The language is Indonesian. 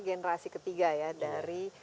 generasi ketiga ya dari